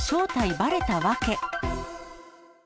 ばれた訳。